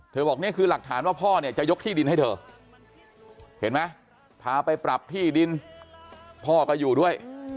บอกนี่คือหลักฐานว่าพ่อเนี่ยจะยกที่ดินให้เธอเห็นไหมพาไปปรับที่ดินพ่อก็อยู่ด้วย